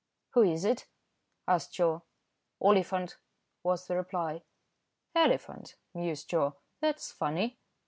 "Who is it?" asked Joe. "Oliphant," was the reply. "Elephant," mused Joe. "That's funny."